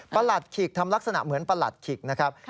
หลัดขิกทำลักษณะเหมือนประหลัดขิกนะครับ